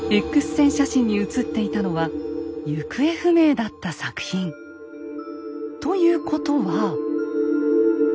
Ｘ線写真に写っていたのは行方不明だった作品。ということは。